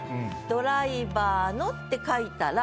「ドライバーの」って書いたら。